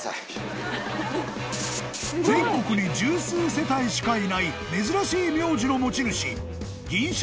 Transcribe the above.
［全国に十数世帯しかいない珍しい名字の持ち主］